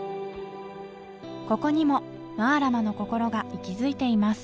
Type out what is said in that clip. ここにもマラマのこころが息づいています